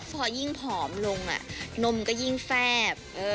พอยิ่งผอมลงนมก็ยิ่งแฟบ